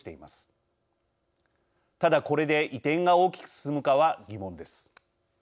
ただこれで移転が大きく進むかは疑問です。